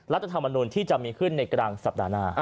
รัฐธรรมนุนที่จะมีขึ้นในกลางสัปดาห์หน้า